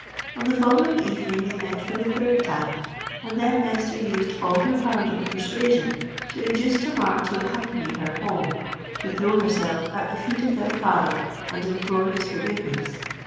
On the following evening they met for the third time; and then Esther used all her powers of persuasion to induce Tamar to accompany her home—to throw herself at the feet of their father, and implore his forgiveness.